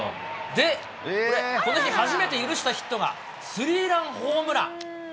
で、これ、この日初めて許したヒットがスリーランホームラン。